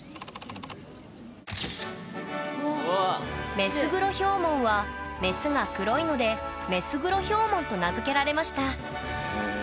メスグロヒョウモンはメスが黒いので「メスグロヒョウモン」と名付けられました。